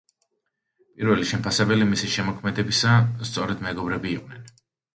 პირველი შემფასებელი მისი შემოქმედებისა სწორედ მეგობრები იყვნენ.